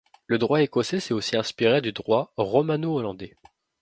Le droit écossais s'est aussi inspiré du droit romano-hollandais.